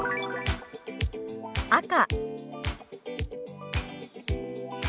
「赤」。